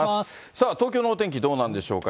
さあ、東京のお天気どうなんでしょうか。